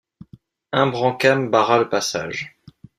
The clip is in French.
Imbrancam barra le passage.